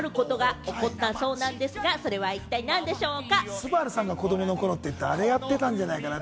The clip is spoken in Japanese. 昴さんが子どもの頃と言ったら、あれやってたんじゃないかな？